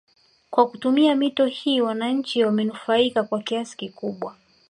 Kwa kutumia mito hii wananchi wamenufaika kwa kiasi kikubwa